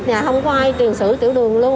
nhà không có ai tiền sử tiểu đường luôn